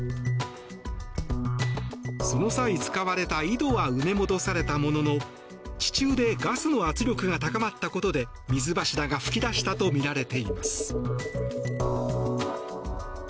その際、使われた井戸は埋め戻されたものの地中でガスの圧力が高まったことで水柱が噴き出したとみられています。